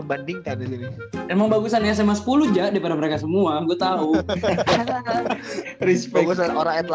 dateng ke dbl camp dia yang ke break temen gua sih reza